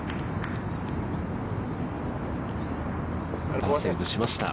パーセーブしました。